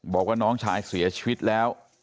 บอกว่าน้องชายเสียชีวิตแล้ว